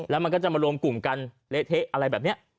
แล้วมันก็จะมารวมกลุ่มกันเละเทะอะไรแบบนี้